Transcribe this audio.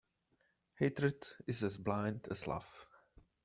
Hatred is as blind as love.